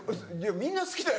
みんな好きだよ。